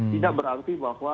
tidak berarti bahwa